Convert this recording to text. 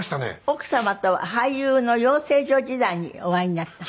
奥様とは俳優の養成所時代にお会いになった？